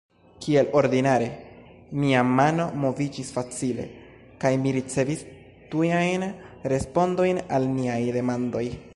Kiel ordinare, mia mano moviĝis facile, kaj mi ricevis tujajn respondojn al niaj demandoj.